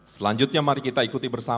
selanjutnya mari kita ikuti bersama